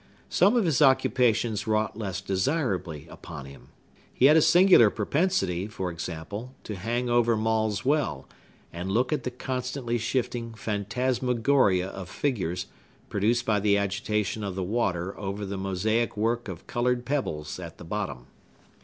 Some of his occupations wrought less desirably upon him. He had a singular propensity, for example, to hang over Maule's well, and look at the constantly shifting phantasmagoria of figures produced by the agitation of the water over the mosaic work of colored pebbles at the bottom.